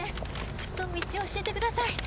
ちょっと道を教えてください。